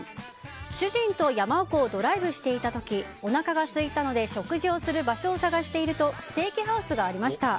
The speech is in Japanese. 主人と山奥をドライブしていた時おなかがすいたので食事をする場所を探しているとステーキハウスがありました。